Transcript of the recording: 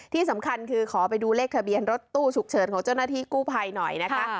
ที่สำคัญคือขอไปดูเลขทะเบียนรถตู้ฉุกเฉินของเจ้าหน้าที่กู้ภัยหน่อยนะคะ